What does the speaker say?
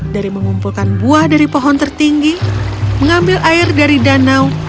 dari mengumpulkan buah dari pohon tertinggi mengambil air dari danau